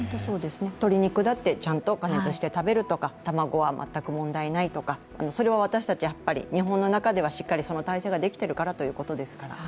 鶏肉だってちゃんと加熱して食べるとか卵は全く問題ないとかそれは私たち日本の中ではしっかりその体制ができているからということですから。